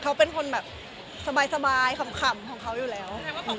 เขาเป็นคนแบบสบายขำของเขาอยู่แล้ว